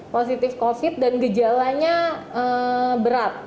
positif covid dan gejalanya berat